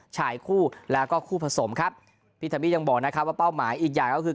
ชายคู่แล้วก็คู่ผสมครับพี่ทัมมี่ยังบอกนะครับว่าเป้าหมายอีกอย่างก็คือ